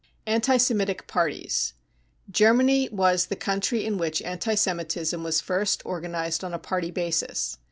| Anti Semitic Parties. Germany was the country in I which anti Semitism was first organised on a party basis.